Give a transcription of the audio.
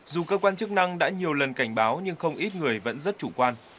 dù cơ quan chức năng đã nhiều lần cảnh báo nhưng không ít người vẫn rất chủ quan